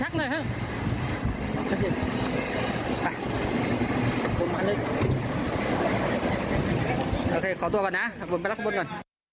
โอเคขอตัวก่อนหน่ะก่อน